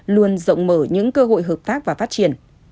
luôn rộng mở những cơ hội hợp tác và phát triển